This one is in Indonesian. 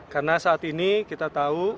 karena saat ini kita tahu